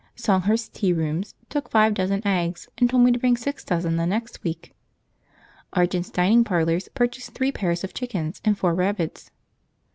Songhurst's Tea Rooms took five dozen eggs and told me to bring six dozen the next week. Argent's Dining Parlours purchased three pairs of chickens and four rabbits.